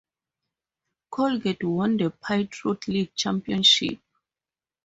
Colgate won the Patriot League championship.